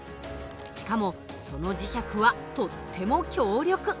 しかもその磁石はとっても強力。